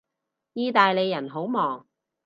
意大利人好忙